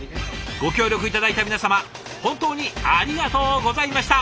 ご協力頂いた皆様本当にありがとうございました！